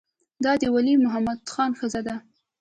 دا د ولی محمد خان ښځه ده.